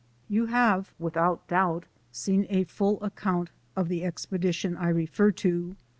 "' You have, without doubt, seen a fall account of the expedition I refer to.